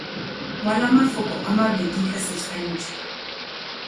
Ngwala mafoko a mabedi ka seswantšho.